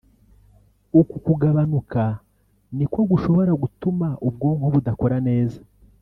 uku kugabanuka niko gushobora gutuma ubwonko budakora neza